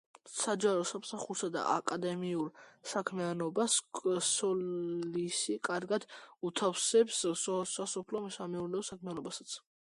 საჯარო სამსახურსა და აკადემიურ საქმიანობას სოლისი კარგად უთავსებს სასოფლო-სამეურნეო საქმიანობასაც.